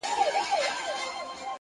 انسان د خپلو انتخابونو محصول دی.!